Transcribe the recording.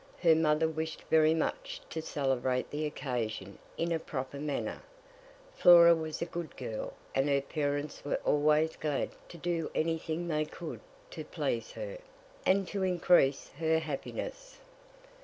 Her mother wished very much to celebrate the occasion in a proper manner. Flora was a good girl, and her parents were always glad to do any thing they could to please her, and to increase her happiness.